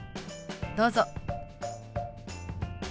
どうぞ。